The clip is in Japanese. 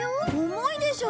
重いでしょ？